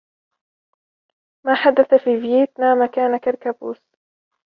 ما حدث في فييت نام كان كالكابوس.